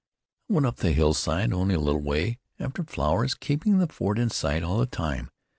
"I went up the hillside, only a little way, after flowers, keeping the fort in sight all the time.